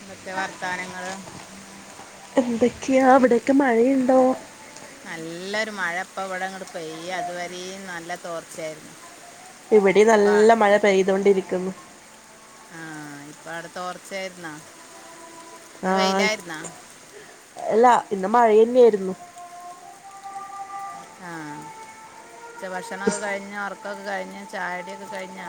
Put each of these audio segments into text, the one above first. ഇന്തക്കെ വർത്താനങ്ങള്. എന്തൊക്കെയാ അവിടെയൊക്കെ മഴയുണ്ടോ? നല്ലൊരു മഴ ഇപ്പ ഇവിടെ ഇങ്ങട് പെയ്യാ ഇതുവരിം നല്ല തോർച്ച. ഇവിടെ നല്ല മഴ പെയ്തൊണ്ടിരികുന്നു. ആഹ ഇപ്പൊ അവിടോർച്ചയായിരുന്നോ? ആഹ് അല്ലാ ഇന്ന് മഴ ന്നെയിരുന്നു. ആ ഉച്ച ഭക്ഷണക്കെ കഴിഞ്ഞ് ഉറക്കമൊക്കെ കഴിഞ്ഞ് ചായടിയൊക്കെ കഴിഞ്ഞാ?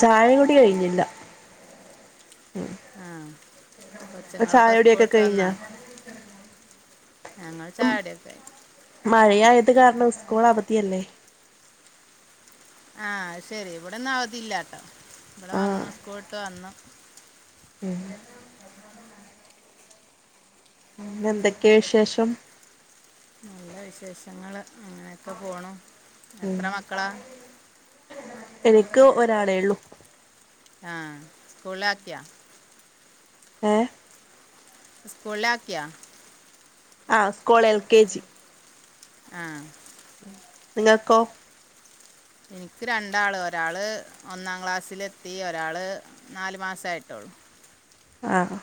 ചായകുടി കഴിഞ്ഞില്ല ഉ. ആഹ കൊച്ചുങ്ങളൊക്കെ സ്കൂള് ട്ട് വന്നോ? കഴിഞ്ഞാ ഞങ്ങള്ൾ ചായടിക്കെ കഴിഞ്ഞി മഴയത് കാരണം സ്കൂൾ അവധിയല്ലേ? ആഹ ശെരി ഇവിടെന്നും അവതില്ലാട്ടോ ഇവിടെ ആഹ് വന്നു സ്കൂളട്ട് വന്നു. ഉം പിന്നെന്തൊക്കെ വിശേഷം? നല്ല വിശേഷങ്ങള് ങ്ങനെയൊക്കെ പോണു. എത്ര മക്കളാ? എനിക്ക് ഒരാളേ ഉള്ളു. ആഹ് സ്കൂള്ലക്കിയാ. ഏ സ്കൂളിലക്കിയ? ആ സ്കൂൾ എൽ കെ ജി. ആ നിങ്ങൾക്കോ? എനിക്ക് രണ്ടാള് ഒരാള് ഒന്നാം ക്ലാസ്സിലെത്തി. ഒരാള് നാല് മാസമായിട്ടോള്ളൂ. ആഹ്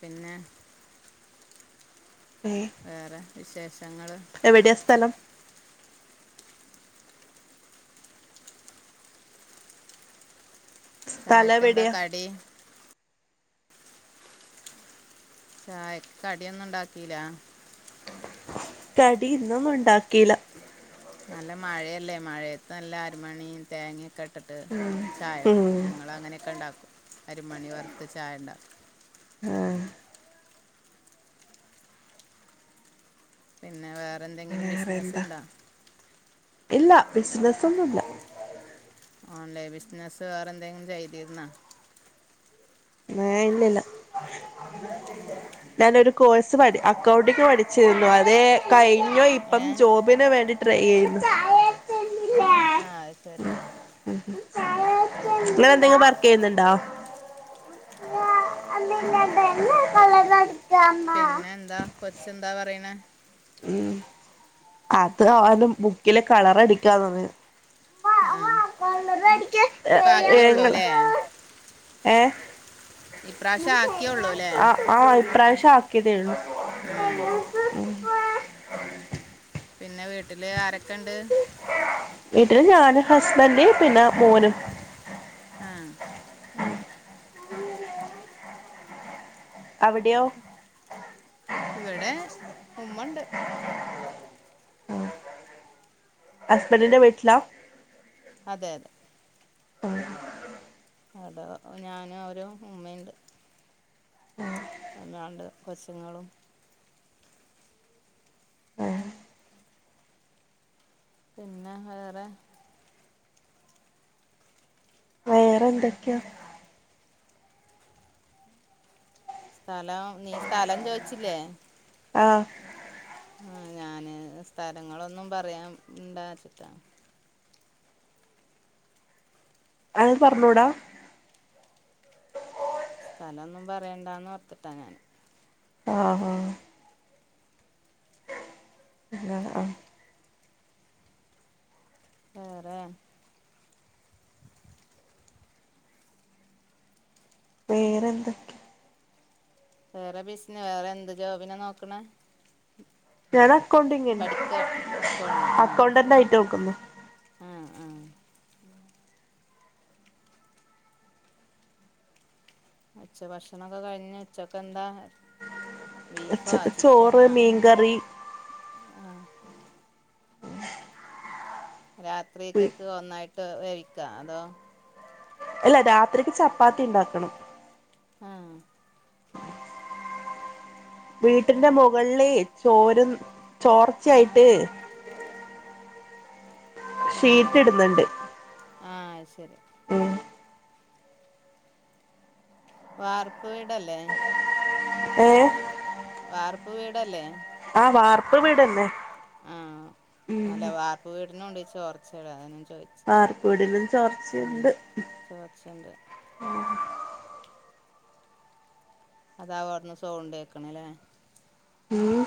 പിന്നെ ഏ വേറെ വിശേഷങ്ങള്. എവിടെയാ സ്ഥലം? സ്ഥലം ചായക്ക എന്താ എവിടെയാ കടി? ചായക്ക്‌ കടിയൊന്നും ഒണ്ടാക്കില? കടി ഇന്നൊന്നും ഒണ്ടാക്കിയില്ല. നല്ല മഴയല്ലേ. മഴയത്ത് നല്ല അരിമണിയും തേങ്ങൊക്കെ ഇ ഇട്ടിട്ട് ചായ ഉം കുടിക്കും. ഞങ്ങൾ അങ്ങനെയൊക്കെ ഒണ്ടാക്കും. അരിമണി വറത്ത് ചായ ഒണ്ടാക്കും. ആഹ് പിന്നെ വേറെ എന്തെങ്കിലും ബിസിനസ് വേറെന്താ ഇണ്ടോ? ഇല്ല ബിസിനസ്സ് ഒന്നും ഇല്ല. ഓൺലൈൻ ബിസിനസ്സ് വേറെ എന്തെങ്കിലും ചെയ്തിരുന്നോ? ഏയ്‌ ഇല്ലില്ല. ഞാനൊരു കോഴ്സ് പ അക്കൗണ്ടിങ് പഠിച്ചിരുന്നു. അത് കഴിഞ്ഞു ഇപ്പം ഏ ജോബ് ജോബിന് വേണ്ടി ട്രൈ ചെയ്യുന്നു. ആഹ് അത് ശരി നിങ്ങളെന്തെങ്കിലും വർക്ക് ചെയ്യുന്നുണ്ടോ? [unintelligible] പിന്നെന്താ? കൊച്ചെന്താ പറയണെ? ഉം അതു ഓനും ബുക്കിലെ കളർ അടിക്കാ തോന്ന് ണ് ആഹ് ഏഹ് ഇപ്രാവശ്യം ആക്കിയുള്ളൂ അല്ലേ ആഹ് ആഹ് ഈ പ്രാവശ്യം ആക്കിയതേയുള്ളൂ. ആ പിന്നെ വീട്ടില് ആരൊക്കെ ഇണ്ട്? വീട്ടില് ഞാന് ഹസ്ബന്റ് പിന്നെ മോനും. ആഹ് അവിടെയോ? ഇവിടെ ഉമ്മണ്ട് ഹസ്ബന്റിന്റെ വീട്ടിലാ? അതെ അതെ. അതൊ ഞാനും അവർടെ ഉമ്മയുണ്ട്. പിന്നെ രണ്ട് കൊച്ചുങ്ങളും പിന്നെ വേറെ വേറെ എന്തൊക്കെയാ? സ്ഥലം നീ സ്ഥലം ചോയിച്ചില്ലേ ആഹ് ആഹ് ഞാന് സ്ഥലങ്ങളൊന്നും പറയാൻ ണ്ടാ ച്ചാ അത് പറഞ്ഞുടാ സ്ഥലൊന്നും പറയണ്ടാന്ന് ഓർത്തിട്ടാ ഞാന്. ആഹ് ആഹ് ആഹ് വെറെ വെറെന്തൊക്കെയാ? വേറെ ബിസിന വേറെ എന്ത് ജോബിനാ നോക്കണെ? ഞാൻ അക്കൗണ്ടിങ്ങിന് പഠിക്കൻ അക്കൗണ്ടിങ് ആഹ് അക്കൗണ്ടന്റ് ശരി ആയിട്ട് നോക്കുന്നു ആഹ് ആഹ് ഉച്ച ഭക്ഷണൊക്കെ കഴിഞ്ഞ ഉച്ചക്കെന്താ? ഉച്ചക്ക് ചോറ് മീൻകറി. ആഹ് രാത്രിക്കക്ക് ഒന്നായിട്ട് വേവിക്കൊ അതോ? അല്ല രാത്രിക്ക് ചപ്പാത്തി ഉണ്ടാക്കണം. ആഹ് വീട്ടിന്റെ മൊകളില് ചോരും ചോർച്ചയായിട്ട് ആഹ് സീറ്റ്ട്ന്ന്ണ്ട്. ആഹ് അഹ് ശരി. ഉം. വാർപ്പ് വീടല്ലേ. ഏഹ്. വാർപ്പ് വീടല്ലേ. ആഹ് വാർപ്പ് വീടന്നെ. ആഹ് അല്ല വാർപ്പ് വീട്നുണ്ട്‌ ഈ ചോർച്ചടെ അതാ ഞാ ചോയ് വാർപ്പ് വീടിലും ചോർച്ചയ്ണ്ട്. ചോർച്ചണ്ട്. അതാവു അട്ന്ന് സൗണ്ടേക്ക്ണ് ലെ. ഉം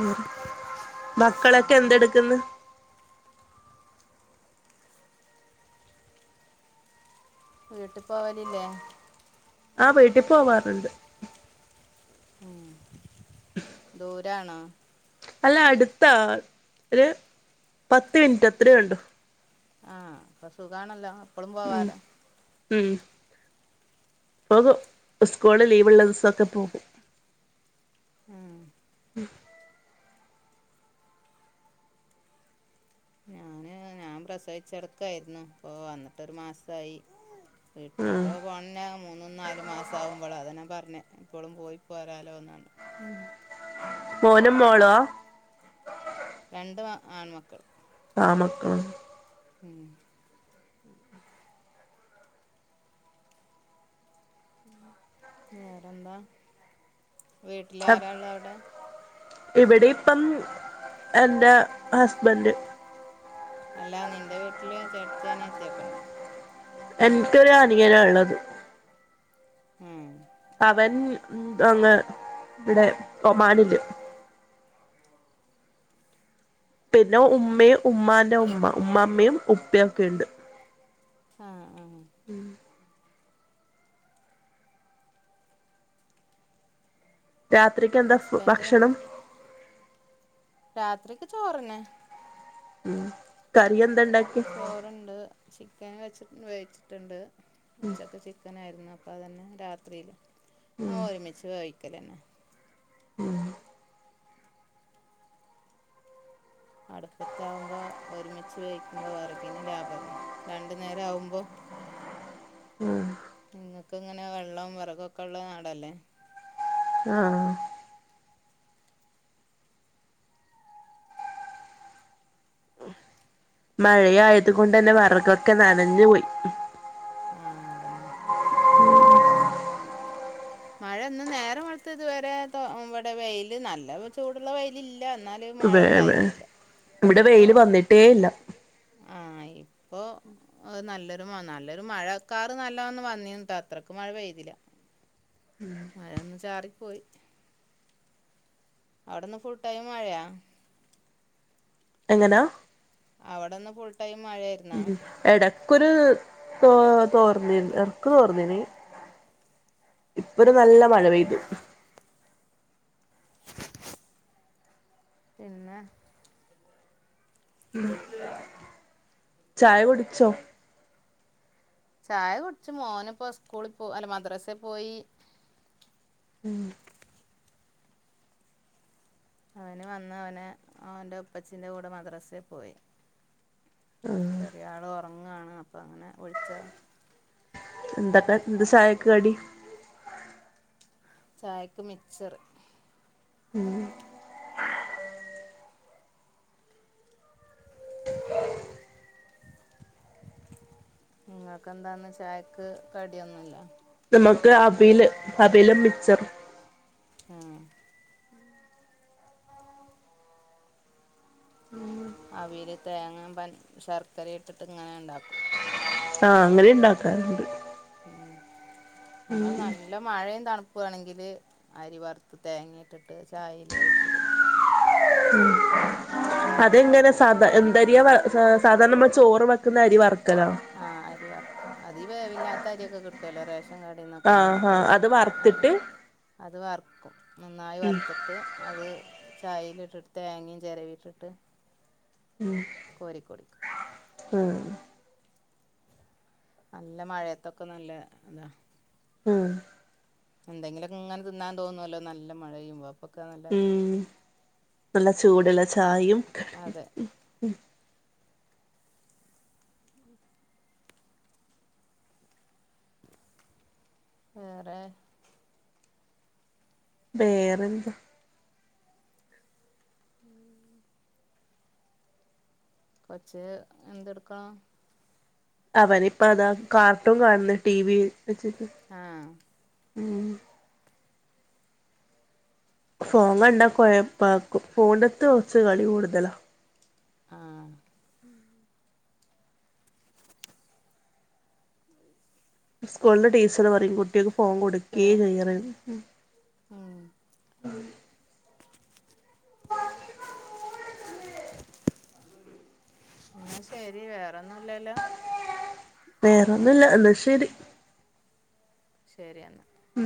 ഉം മക്കളൊക്കെ പിന്നെ എന്തെട്ക്ക്‌ന്ന്‌? വീട്ട് പോവലില്ലേ. ആഹ് വീട്ടി പോവാറ്ണ്ട്. ഉം ദൂരാണോ? അല്ല അടുത്താ ഒരു പത്ത് മിൻറ്റ് അത്രേ ഒള്ളൂ. ആഹ് പ്പ സുഖാണല്ലോ എപ്പളും ഉം പോവാലോ. ഉം പോകു സ്കൂള് ലീവ്ള്ള ദിവസൊക്കെ പോകും. ഉം. ഞാന് ഞാം പ്രസവിച്ചട്ക്കായിരുന്നു പ്പൊ വന്നിട്ടൊരു മാസായി. ഉം വീട്ടിലൊക്കെ പോണന്ന മൂന്നും നാല് മാസാവുമ്പളാ അതാ ഞാ പർഞ്ഞെ. പ്പളും പോയി പോരാലോ ന്നാണ്. മോനും മോള്വാ. രണ്ട് മാ ആൺമക്കള്. ആണ്മക്കള്. ഉം. വേറെന്താ വീട്ടിലാരാള്ള അവ്ടെ. ഇവടിപ്പം എന്റെ ഹസ്ബൻ്റ്. അല്ല നിന്റെ വീട്ടില് ചേട്ടത്തി അനിയത്തി ഒക്കെ ണ്ടാ. എൻക്കൊര് അനിയനാള്ളത്. ഉം. അവൻ അങ്ങ് ഇവിടെ ഒമാനില്. പിന്നെ ഉമ്മി ഉമ്മാന്റെ ഉമ്മ ഉമ്മാമ്മയും ഉപ്പ്യൊക്കെ ണ്ട്. ആഹ് ആഹ്. ഉം. രാത്രിക്കെന്താ ഫ് ഹസ്ബൻഡ് ദാ ഭക്ഷണം? രാത്രിക്ക് ചോറന്നെ. ഉം കറിയെന്ത ണ്ട ചോറ്ണ്ട് ചിക്കന് വെച്ചി വേവിച്ച്ട്ട് ണ്ട് ഉച്ചക്ക് ചിക്കനായിര്ന്നു അ പ്പതന്നെ രാത്രിയില് ആഹ് ഒരുമിച്ച് കയിക്കലെന്നെ. ഉം. അടുപ്പത്താവുമ്പോ ഒരുമിച്ച് വേവിക്കുമ്പ വെറകിന് ലാഭല്ലേ. രണ്ട് നേരാവുമ്പൊ. ആഹ്. നിങ്ങക്കെങ്ങന വെള്ളം വെറകൊക്കെള്ള നാടല്ലേ. ആഹ് ആഹ്. മഴയായത് കൊണ്ടെന്നെ വെറകൊക്കെ നനഞ്ഞു പോയി. ആഹ് അതന്നെ. മഴന്ന് നേരം വെൾത് ഇത് വരെ തോ ഇവടെ വെയില് നല്ല ചൂടുള്ള വെയിലില്ല ന്നാലഹ് മഴ വേ ണ്ടായിര്ന്നില്ല ഇപ്പോ. ട്ടേയില്ല ആ ഇപ്പൊ നല്ലൊരു നല്ലൊരു മഴക്കറ് നല്ലന്ന് വന്നിട്ടോ അത്രയ്ക്ക് മഴ പെയ്തില്ല. മയോന്ന് ചാറി പോയി. അവിടെന്ന് ഫുൾ ടൈം മഴയാ എങ്ങനാ? അവടന്ന് ഫുൾ ടൈം മഴയായിരുന്നാ? എടയ്ക്കൊരു തോ തോർന്നി എടക്ക് തോറ്ന്നീന്. ഇപ്പ ഒരു നല്ല മഴ പെയ്തു. പിന്നെ ഉം ചായ കുടിച്ചോ? ചായ കുടിച്ചു മോനെ പോ സ്കൂളിൽ പോ അല്ല മദ്രസെ പോയി. ഉം അവന് വന്ന അവന് അവന്റെ ഉപ്പച്ചീന്റെ കൂടെ മദ്രസൽ പോയി. ചെറിയ ആള് ഒറങ്ങണ് അപ്പൊ അങ്ങനെ വിളിച്ച എന്തക്ക എന്ത ചായക്കടി? ചായക്ക് മിക്ച്ചർ. ഉം ങ്ങൾക്കന്താന്ന് ചായക്ക് കടിയൊന്നുല്ല. നമുക്ക് അവ്ല് അവിലും മിച്ചറും ആഹ് അവില് തേങ്ങിം പ ശര്ക്കര ഇട്ടിട്ട് ഇങ്ങനെ ഇണ്ടാക്കും. ആ അങ്ങനെണ്ടാക്കാറ്ണ്ട്. ഏ ഞങ്ങൾ ന നല്ല മഴയും തണുപ്പ് ആണങ്കിൽ അരി വറുത്ത് തേങ്ങിയിട്ടിട്ട് ചായൽ ഒഴിച് കു അതെങ്ങനെ സാധ എന്തരിയാ സാധാരണ നമ്മൾ ചോറ് വെക്കുന്ന അരി വർ ആ അരി വർക്ക് അതീ വേവല്ലാത്ത അരിയൊക്കെ കിട്ടുവല്ലോ റേഷൻ കാർഡന്നൊക്കെ അങ ആ അത് വറ്ത്തിട്ട് അത് വറ്ക്കും നന്നായി വറുത്തി ട്ട് അത് ചായൽ ഇട്ടിട്ട് തേങ്ങയും ചിരവി ഇട്ടിട്ട് ഉം ഉം നല്ല മഴയത്തൊക്കെ നല്ല ഇത ഉം എന്തെങ്കിലൊക്കെ ഇങ്ങനെ തിന്നാൻ തോന്നല്ലോ നല്ല മഴയുമ്പോ? ഉം നല്ല ചൂടുള്ള ചായയും ക അതെ വേറെ വേറെന്താ? പച്ചേ എന്തെടുക്കണ? അവന് ഇപ്പ അതാ കാർട്ടൂൺ കാണുന്ന ടി വി വെച്ചി ആഹ് ഉം ഫോ [unintelligible] കണ്ടാ കൊയപ്പാകും ഫോണ്ടത്ത് കൊറച്ച് കളി കൂടുതലാ. ആഹ് സ്കൂളെ ടീച്ചർ പറയും കുട്ടികൾക്ക് ഫോണ് കൊടുക്കേ വേറെ ചെയ്യർ ഉം ന്ന ശരി വേറെന്നുംല്ലല്ലോ? വേറെന്നുല്ല ന്നാ ശരി. ശരി എന്നാ ഉം